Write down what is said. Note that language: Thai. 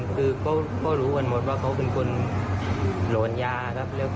คือเขาก็รู้กันหมดว่าเขาเป็นคนหลอนยาครับ